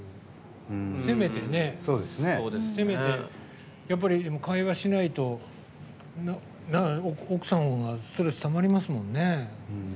せめて、やっぱり会話しないと奥さんはストレスたまりますもんね。